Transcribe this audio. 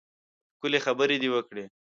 ښکلې خبرې دې وکړې.